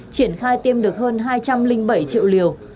triển khai tiêm được hơn hai trăm linh bảy triệu liều